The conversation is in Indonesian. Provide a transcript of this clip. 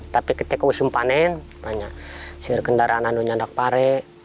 tapi ketika musim panen sejarah kendaraan itu nyandak pari